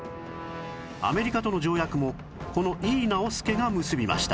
アメリカとの条約もこの井伊直弼が結びました